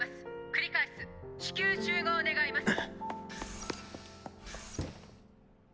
繰り返す至急集合願います！」